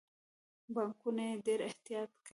بانکونه یې ډیر احتیاط کوي.